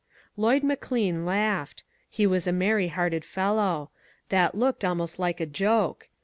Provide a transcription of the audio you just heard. Lloyd McLean laughed. He was a merry hearted fellow. That looked almost like a joke.